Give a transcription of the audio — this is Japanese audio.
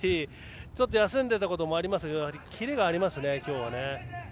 ちょっと休んでいたこともありますがキレがあります、今日は。